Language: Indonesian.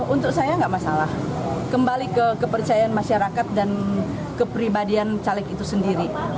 untuk saya nggak masalah kembali ke kepercayaan masyarakat dan kepribadian caleg itu sendiri